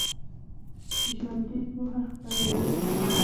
ژوندي پوهه خپروي